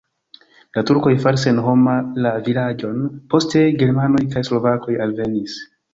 La turkoj faris senhoma la vilaĝon, poste germanoj kaj slovakoj alvenis.